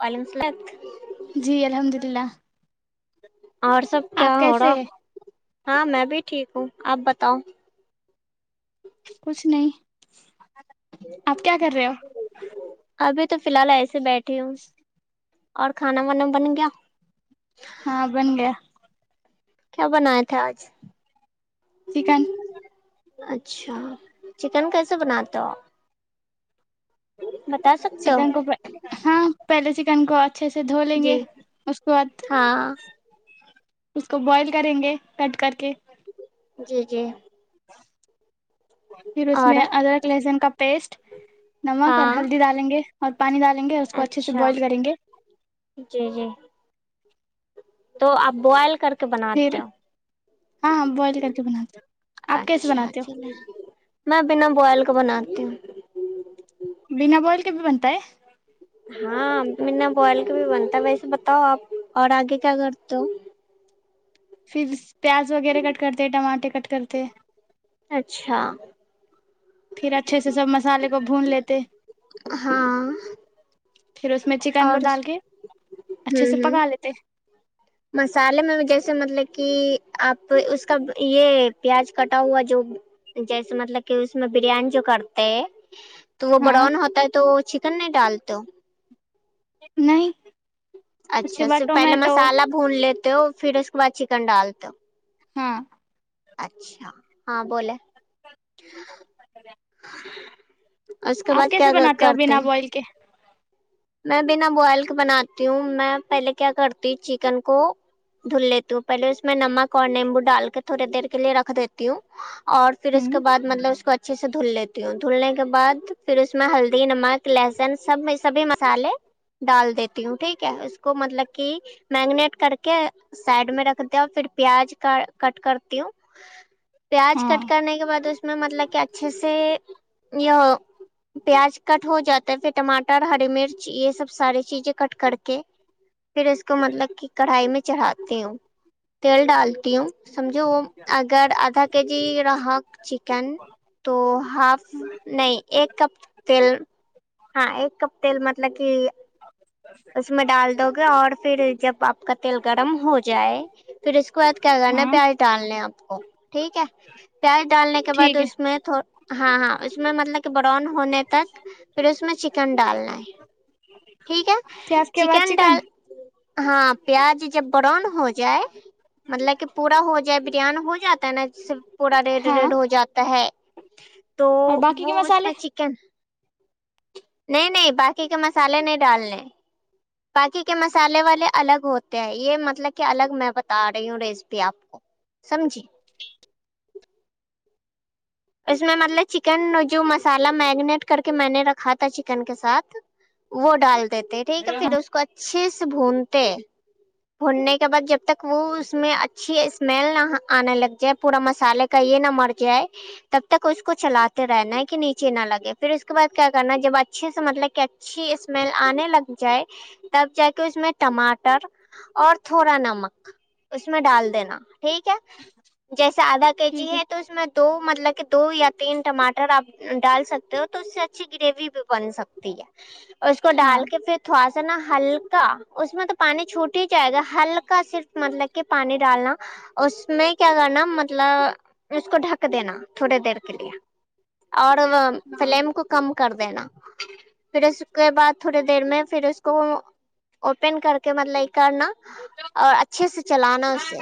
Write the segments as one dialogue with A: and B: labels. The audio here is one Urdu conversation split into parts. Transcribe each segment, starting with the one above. A: والعلمسلات [unintelligible]
B: جی الحمد للہ
A: اور سب
B: آپ
A: کیا ہو
B: کیسے
A: رہا
B: ہے
A: ہاں میں بھی ٹھیک ہوں آپ بتاؤ
B: کچھ نہیں آپ کیا کر رہے ہو
A: ابھی تو ف الحال ایسے بیٹھے تین [unintelligible] اور کھانا وانا بن گیا
B: ہاں بنڈیا
A: کیا بنایا تھاے آج
B: چکن [unintelligible]
A: اچھا چکن کیسے بناتا ہو بتا سکتے
B: چکن
A: ہو
B: کو ہاں پہلے چن [unintelligible] چن کو [unintelligible] اچھے سے دھو لیں گے
A: جی
B: اس کے بعد
A: ہاں
B: اس کو بوائل کریں گے کٹ کر کے
A: جی جی
B: پھر اس میں
A: اور
B: ادرک لہسن کا پیسٹ نمک اور
A: ہاں
B: ہلدی ڈالیں گے اچھا پانی ڈالیں گے اس کو اچھے سے
A: اچھا
B: بوائل کریں گے
A: جی جی تو آپ بوائل کر کے بنا
B: پھر
A: دو ہو
B: ہاں ہاں بوائل کر کے بناتے ہیں۔ آپ کیسے
A: اچھا
B: بناتے
A: چ
B: ہو
A: میں بنا بوائل [unintelligible] تو بناتتی ہوں
B: بنا بوائل کے بھی بنتا ہے
A: ہاں ما بوال کبھی بنتا ہے ویسے بتاؤ آپ اور آگے کیا کرتے ہو
B: پھر پیاز وغیرہ کٹ کرتے ٹماٹے کٹ کرتے
A: اچھا
B: پھر اچھے سے سب مسالے کو بھون لیتے
A: ہاں
B: پھر اس میں چکن
A: اور
B: کو ڈال کے
A: ہ
B: اچھے سے
A: ہ
B: پکا لیتے
A: مسالے میں بھی جیسے مطلب کہ آپ اس کا یہ پیاز کٹا ہوا جو جیسے مطلب کہ اس میں بریانی جو کرتے ہے تو وہ
B: ہاں
A: بڑن ہوتا ہے تو چ نہیں ڈالتے ہو
B: نہیں اس کے
A: اچھا
B: بعد
A: ص پہلے
B: ٹومیٹو
A: مسالہ بھون لیتے ہو پھر اس کے بعد چکن ڈالتا
B: ہاں
A: اچھا ہاں بول
B: اا [unintelligible]
A: اس کے بعد کیا کرتے
B: بوائل کے
A: میں بنا بوائل بناتی ہوں میں پہلے کیا کرتی چکن کو دھل لیتی ہوں پہلے اس میں نمک اور نیمبو ڈال کے تھوڑی دیر کے لیے رکھ دیتی ہوں اور پھر
B: ہ
A: اس کے بع مطلب اس کو اچھا اچھے سے دھل لیتی ہوں دھلنے کے بد پھر اس میں ہلدی نمک لہسن سب سبھی مسالے ڈال دیتی ہوں ٹھیک ہے اس کو مطلب کہ میگنیٹ کر کے سائڈ میں رکھ د ہ پھر پیاز کا کٹ کرتی ہوں پیاز
B: ہاں
A: کٹ کرنے کے بعد اس میں مطلب کہ اچھے سے پیاز [unintelligible] کٹ ہو جاتا ہے پھر ٹماٹر ہری مرچ یہ سب ساریے چیزیں کٹ کر کے پھر اس کو مطلب کہ کڑھائی میں چڑھاتی ہوں تیل ڈالتی ہوں سمجھو اگر آدھا کے جی رہا چکن تو ہاف نہیں ایک کپ تیل ہاں ایک کپ تل م [inaudible] اس میں ڈال دو گے اور پھر جب آپ کا تیل گرم ہو جائے پھر اس کے بعد کیا کرنا
B: ہاں
A: پیاز ڈالنا آپ اور [unintelligible] ٹھیک ہے پیاز ڈالنے کے بعد
B: ٹھیک ہے
A: اس میں ہاں ہاں اس میں مطلب کہ ب ڈ ہونے تک پھر اس میں چکن ڈالنا ہے ٹھیک ہے
B: پیاز کے بعد چکن
A: ہاں پیاز جب براؤن ہو جائے مطلب کہ پورورا ہو جائے بریان ہو جاتا ہے نا ج پوڑا ریڈ
B: ہاں
A: ریڈ ہو جاتا ہے تو
B: اور باقی کے
A: وہ اس
B: مسالے
A: میں چکن نہیں نہیں باقی کے مسالے نہیں ڈالنے باقی کے مسالے والے الگ ہوتے ہیں یہ مطلب کہ الگ میں بتا رہی ہوں ریسیپی آپ کو سمج اس میں مطلب چکن جو مسالہ میگنیٹ کر کے میں نے رکھا تھا چکن کے ساتھ وہ ڈال د دیتے ٹھیک ہے
B: ہاں
A: پھر اس کو اچھے سے بھونتے بھوننے کے بعد جب تک وہ اس میں اچھی اسمیل نہ آنے لگ جائے پورا مسالے کا یہ نہ مر جائے تب تک اس کو چلاتے رہنا ہے کہ نیچے نہ لگے پھر اس کے بعد کیا کرنا جب اچھے سے مطلب کہ اچھی اسمیل آنے لگ جائے تب جا کے اس میں ٹماٹر اور تھوڑا نمک اس میں ڈال دینا ٹھیک ہے جیسے آدا کے جی ہے تو اس میں دو مطلب کہ دو یا تین ٹماٹر آپ ڈال سکتے ہو تو اس سے اچھی گریوی بھی بن سکتی ہے اس کو
B: ہاں
A: ڈال کے پھر تھوا نا ہلکا اس میں تو پانی چھوٹ ہی جائے گا ہلکا صرف مطلب کہ پانی ڈالنا اس میں کیا کرنا مطلب اس کو ڈھک دینا تھوڑی دیر کے لیے اور
B: ہاں
A: فلیم کو کم کر دینا پھر اس کے بعد تھوڑی دیر میں پھر اس کو اوپن کر کے مطلب یہ کرنا اور اچھے سے چلانا اسے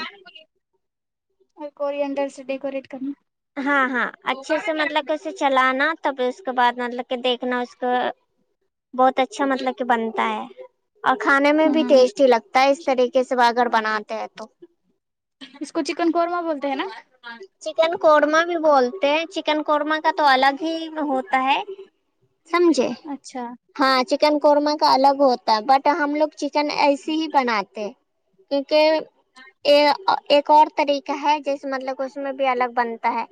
B: اور کوری اندر سے ڈیکوریٹ کرنا
A: ہاں ہاں اچھے سے مطلب کہ اسے چلانا ت پ اس کے بعد مطلب کے دیکھنا اس کو بہت اچھا مطلب کہ بنتا ہے اور کھانے میں بھی
B: ہاں
A: ٹیسٹ ہی لگتا ہے اس طریقے سے وہ اگر بناتے ہیں تو
B: ہے نا
A: قورما بھی بولتے ہیں چکن قورما کا تو الگ ہوتا ہے سمجھے
B: اچھا
A: ہاں کن قورما کا الگ ہوتا ہے بٹ ہم لوگ چکن ایسے ہی بناتے کیونکہ ایک ایک اور طریقے کہاں جیسے مطلب اس میں بھی الگ بنتا ہے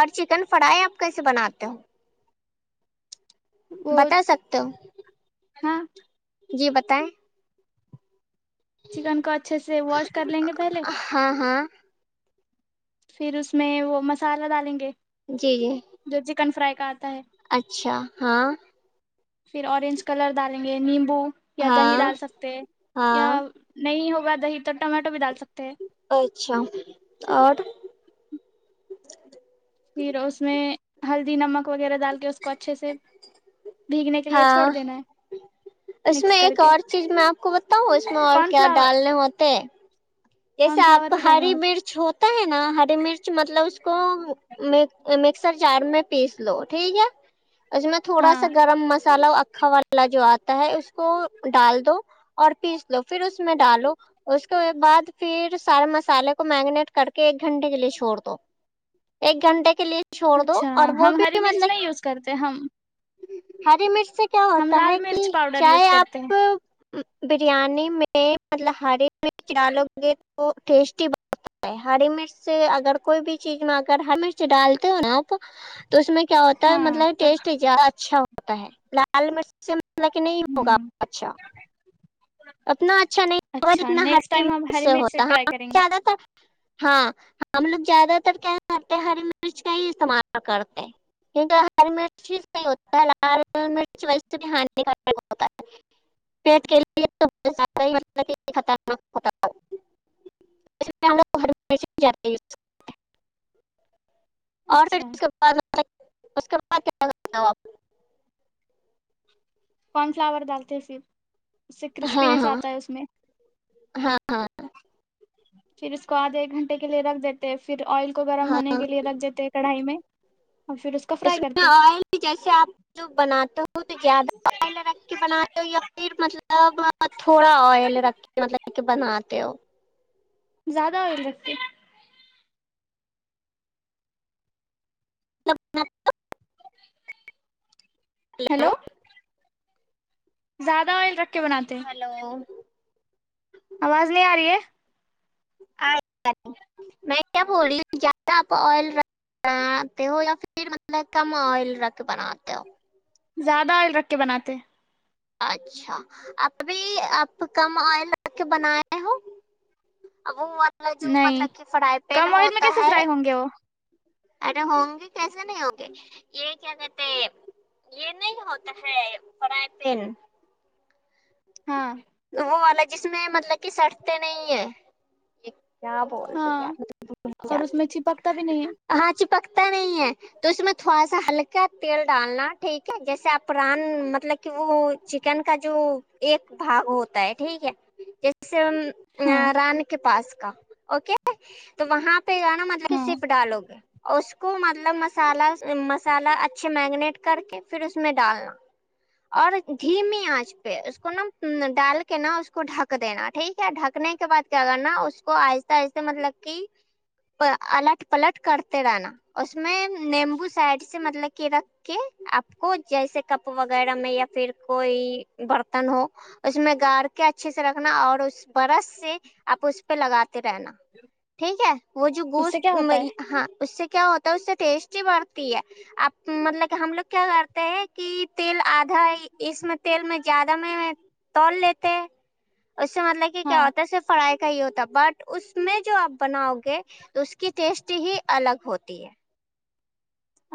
A: اور چکن فرائی آپ کیسے بناتے ہو
B: وہ
A: بتا سکتے ہو
B: ہاں
A: جی بتائیں
B: چکن کو اچھے سے واش کر لیں گے پہلے
A: ہاں ہاں
B: پھر اس میں وہ مسالہ ڈالیں گے
A: جی جی
B: جو چکن فرائی کا آتا ہے
A: اچھا ہاں
B: پھر آنج کلر ڈالیں گے نیمب یا دہی
A: ہاں
B: ڈال سکتے یا
A: ہاں
B: نہیں ہو [inaudible] دی تو ٹمٹو بھی ڈال سکتے [inaudible]
A: اچھا اور [inaudible]
B: پھر اس میں ہلدی نمک وغیرہ ڈال کے اس کو اچھے سے [inaudible] بھیگنے کے لیے چھوڑ
A: ہاں
B: دینا ہے [inaudible]
A: اس
B: مکس
A: میں
B: کر
A: ایک
B: کے
A: اور چیز میں آپ کو بتاؤں اس میں اور
B: کارن
A: کیا
B: فلاور
A: ڈالنے ہوتے جیسے
B: کارن
A: آپ
B: فلاور
A: کو
B: بھی ڈالنا
A: ہری
B: ہوتا
A: مرچ ہو ہے نا ہری مرچ مطلب اس کو
B: ہے؟
A: مکسر جار میں پیس لو ٹھیک ہے [inaudible] اس میں تھوڑا سا
B: ہاں
A: گرم مسالہ کھا والا جو آتا ہے اس کو ڈال دو اور پیس دو پھر اس میں ڈالو اس کے بعد پھر سارے مسالے کو میگنیٹ کر کے ایک گھنٹے کے لیے چھوڑ دو ایک گھنٹے کے لیے چھوڑ دو
B: اچھا
A: اور وہ
B: ہم ہری
A: بھی
B: مرچ نہیں
A: مطلب
B: یوز کرتے ہم
A: ہری مش [inaudible] اس سے کیا
B: ہم
A: ہوتا
B: لال
A: ہے
B: مرچ
A: کہ
B: پاؤڈر یوز
A: چائے
B: کرتے ہیں
A: آپ [inaudible] بریانی میں مطلب ہری مرچو تو ٹیسٹی ب ہے ہری مرچ اگر کوئی بھی چیز میں اگر ہر مرچ ڈالتے ہو نا آپ تو اس میں کیا ہوتا ہے
B: ہاں
A: مطلب
B: تو
A: ٹیسٹیادہ اچھا ہوتا ہے لال مرچ سے ح کہہ نہیں ہوگا
B: ہ
A: اچھا اتنا اچھا نہیں ہو
B: اچھا
A: جنا ہ
B: نیکسٹ ٹائم ہم ہری
A: سے
B: مرچ
A: ہوتا ہ
B: ٹرائی کریں گے
A: زیادہ تر ہاں ہم لوگ زیادہ تر کیا کرتے ہیں ہری مرچ کا ہی استعمال کرتے ہیں کیونکہ ہری مرچ ہوتا ہے لال مرچ ویسے بھی ہ کاتا ہے پیٹ کےے خطرنا ہوتاوگ [unintelligible] اور
B: اچھا
A: کے بعد اس کے بعد کیا لتاوں آپ
B: کون فلاور ڈالتے پھر اس سے
A: ہاں
B: کرسپینیس
A: ہاں
B: آتا ہے اس میں
A: ہاں ہاں ہ
B: پھر اس کو آدھے ایک گھنٹے کے لیے رکھ دیتے پھر آئل کو گرم ہونے
A: ہاں
B: کے لیے رکھ دیتے کڑھائی میں اور پھر اس کو فرائی
A: میں
B: کرتے
A: آئل جیسے آپ جو بناتے ہو تو زیادہ آئل رکھ کے بناے ہو یا پھر مطلب تھوڑا آئل رکھ کے مطلب کے بناتے ہو
B: زیادہ ہو سکتی
A: سب
B: ہیلو زیادہ آئل رکھ کے بناتے ہیں،
A: ہلو
B: آواز نہیں آ رہی ہے
A: میں کیا بول رہی ہوں زیادہ آپ آئل رکھ بناتے ہو یا پھر مطلب کم آئل رکھ بناتے ہو
B: زیادہ عل رکھ کے بناتے
A: اچھا ابھی آپ کم آئل رکھ کے بنائے ہو ا وہ جو
B: نہیں
A: مطلب کہ فرائی پین
B: کم آئل میں
A: ہوتا
B: کیسے
A: ہے
B: فرائی ہوں گے وہ
A: ارے ہوں گے کیسے نہیں ہوں گے یہ کیا کہتے یہ نہیں ہوتا ہے پائی تین
B: ہاں
A: وہ والا جس میں مطلب کہ سٹتے نہیں ہے کیا بولتے
B: ہاں اور اس
A: جات
B: میں چپکتا بھی نہیں
A: ہاں چپک نہیں ہے تو اس میں تھوڑا سا ہلکا تیل ڈالنا ٹھیک ہے جیسے آپ ران مطلب کہ وہ چکن کا جو ایک بھاگ ہوتا ہے ٹھیک ہے جسے
B: ہے ہاں
A: رانی کے پاس اوکے تو وہاں پ نا مطلب ک
B: ہاں
A: سسیپ ڈالو گے اس کو مطلب مسالہ مسالہ اچھے میگنیٹ کر کے پھر اس میں ڈالنا اور دھیمی آنچ پہ اس کو نا ڈال کے نا اس کو ڈھک دینا ٹھیک ہے ڈھکنے کے بعد کیا کرنا اس کو آہستتے آہستتے مطلب کہ الٹ پلٹ کرتے رہنا اس میں نیمبو سائڈ سے مطلب کے رکھ کے آپ کو جیسے کپ وغیرہ وغیرہ میں یا پھر کوئی برتن ہو اس میں گاڑ کے اچھے سے رکھنا اور اس برش سے آپ اس پہ لگاتے رہنا ٹھیک ہے وہ جو
B: اس سے کیا
A: گوشت
B: ہوتا ہے
A: ہاں اس سے کیا ہوتا تو اس سے ٹیسٹی بڑھتی ہے اب مطلب کہ ہم لوگ کیا کرتے ہیں کہ تیل آدھا ہے اس میں تیل میں زیادہ میں تل لیتے ہیں اس سے مطلب کہ
B: ہاں
A: کیا ہوتا ہے صر فڑائی ی ہوتا بٹ اس میں جو آپ بناؤ گے تو اس کی ٹیسٹ ہی الگ ہوتی ہے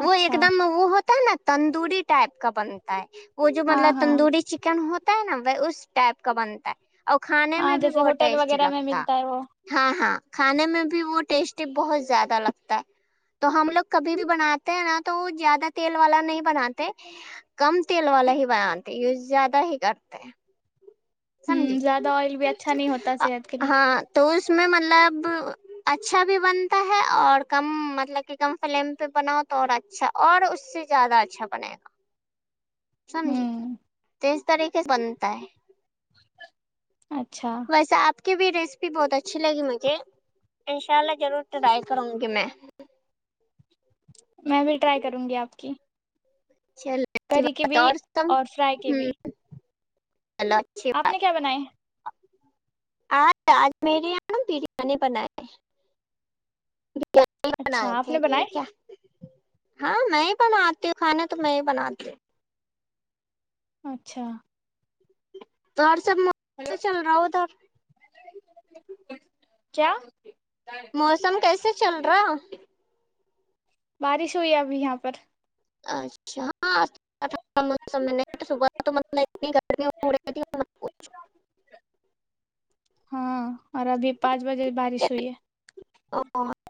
A: وہ ایک
B: اچھا
A: دم وہ ہو تا نا تندوری ٹائپ کا بنتا ہے وہ جو
B: ہاں
A: مطلب
B: ہاں
A: تندوری چکن ہو تا ہے نا وہ اس ٹائپ کا بنتا ہے اور کھانے
B: ہاں
A: میں بھی
B: جیسے
A: بہت
B: ہوٹل
A: ٹیسٹی
B: وغیرہ میں
A: لگتا
B: ملتا ہے وہ
A: ہاں ہاں کھانے میں بھی وہ ٹیسٹی بہت زیادہ لگتا ہے تو ہم لوگ کبھی بھی بنات ن تو وہ زیادہ تیل والا نہیں بناتے کم تیل والا ہی بناتے یوز زیادہ ہی کرتے سمجے
B: ہوں زیادہ آئل بھی اچھا نہیں ہوتا صحت کے لیے
A: ہاں تو اس میں مطلب اچھا بھی بنتا ہے اور کم مطلب کہ کم فلیم پہ بناؤ تو اور اچھا اور اس سے زیادہ اچھا بنے گا سمج
B: ہوں
A: طریقے سے بنتا ہے
B: اچھا
A: ویسے آپ کی بھی ریسپی بہت اچھی لگی مجھے انشاء اللہ ضرور ٹرائی کروں گی میں
B: میں بھی ٹرائی کروں گی آپ کی
A: چل اچھی
B: کری کے
A: بات
B: بھی
A: سب
B: اور فرائی کے
A: ہ
B: بھی
A: چلو اچھی
B: آپ نے
A: بات
B: کیا بنائے
A: آج آج میرے یہ ن بریانی بنائے
B: اچھا
A: بنئے
B: آپ
A: تھے
B: نے بنائے
A: ٹھیک ہے ہاں میں ہی بناتی ہوں کھانا تو میں ہی بناتی ہوں
B: اچھا
A: تو سب م سے چل رہا ہ ادھر
B: کیا
A: موسم کیسے چل رہا
B: بارش ہوئی ہے ابھی یہاں پر
A: اچھا ہاںھا موسم صبح تو
B: ہاں اور ابھی پانچ بجے بارش ہوئی ہے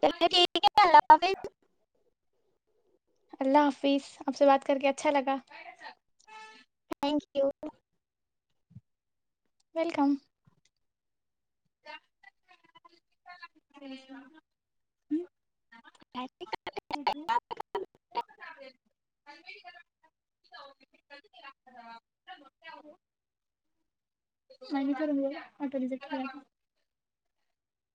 A: ٹھیک ہے اللہ حافظ [inaudible]
B: اللہ حافظ آپ سے بات کر کے اچھا لگا
A: تھینک یو
B: ویلکم ہ [unintelligible]
A: [inaudible]
B: [unintelligible]